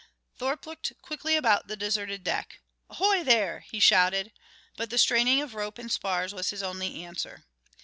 Thorpe looked quickly about the deserted deck. "Ahoy, there!" he shouted, but the straining of rope and spars was his only answer.